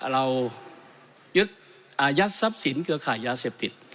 เรายึดอายัดทรัพย์สินเครือข่ายยาเสพติด